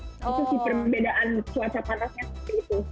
itu sih perbedaan cuaca panasnya seperti itu